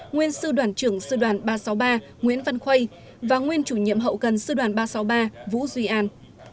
nguyên sư đoàn trưởng sư đoàn ba trăm sáu mươi ba nguyễn văn khoay và nguyên chủ nhiệm hậu gần sư đoàn ba trăm sáu mươi ba vũ duy an